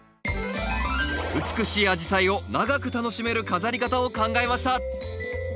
美しいアジサイを長く楽しめる飾り方を考えました！